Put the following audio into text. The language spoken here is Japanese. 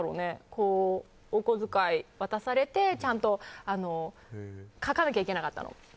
お小遣い渡されて、ちゃんと書かなきゃいけなかったの。